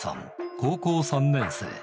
高校３年生。